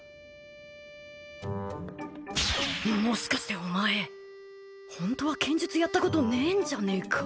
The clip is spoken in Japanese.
もしかしてお前ホントは剣術やったことねえんじゃねえか？